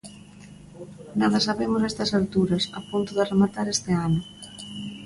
Nada sabemos a estas alturas, a punto de rematar este ano.